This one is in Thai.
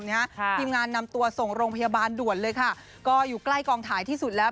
ทีมงานนำตัวส่งโรงพยาบาลด่วนเลยค่ะก็อยู่ใกล้กองถ่ายที่สุดแล้ว